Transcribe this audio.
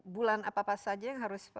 bulan apa apa saja yang harus